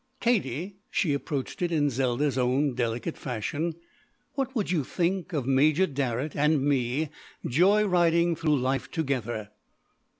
"Katie," she approached it, in Zelda's own delicate fashion, "what would you think of Major Darrett and me joy riding through life together?"